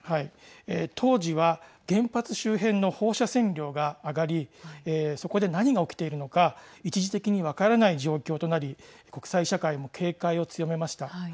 当時は原発周辺の放射線量が上がりそこで何が起きているのか一時的に分からない状況となり国際社会も警戒を強めました。